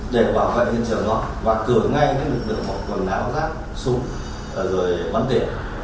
để bảo vệ hiện trường đó và cửa ngay cái lực lượng của quần áo rác súng rồi bắn đề